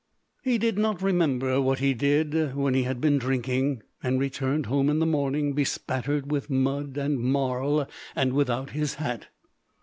He did not remember what he did, when he had been drinking, and returned home in the morning bespattered with mud and marl, and without his hat.